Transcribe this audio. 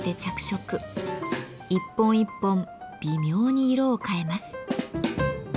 一本一本微妙に色を変えます。